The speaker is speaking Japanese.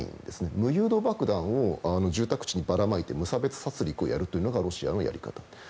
無誘導爆弾を住宅地にばらまいて無差別殺りくをやるのがロシアのやり方。